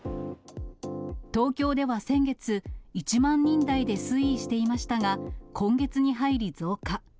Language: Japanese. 東京では先月、１万人台で推移していましたが、今月に入り増加。